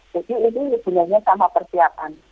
jadi ini sebenarnya sama persiapan